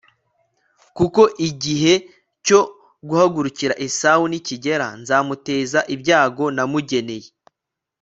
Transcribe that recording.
kuko igihe cyo guhagurukira esawu nikigera nzamuteza ibyago namugeneye